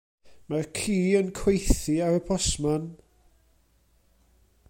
Mae'r ci yn cweithi ar y postman.